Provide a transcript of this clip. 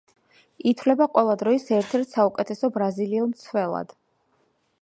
ითვლება ყველა დროის ერთ-ერთ საუკეთესო ბრაზილიელ მცველად.